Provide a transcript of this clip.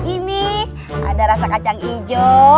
ini ada rasa kacang hijau